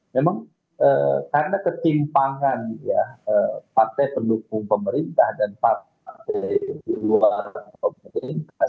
memang karena ketimpangan ya partai pendukung pemerintah dan partai di luar pemerintah